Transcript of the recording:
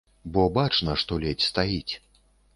Бо бачна, што ледзь стаіць.